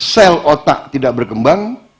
sel otak tidak berkembang